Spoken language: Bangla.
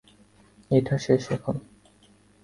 এটা শেষ এখন।